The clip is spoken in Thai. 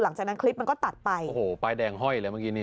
หลังจากนั้นคลิปมันก็ตัดไปโอ้โหป้ายแดงห้อยเลยเมื่อกี้นี่